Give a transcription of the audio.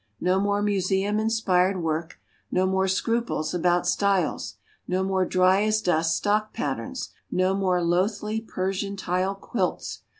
No more museum inspired work! No more scruples about styles! No more dry as dust stock patterns! No more loathly Persian tile quilts!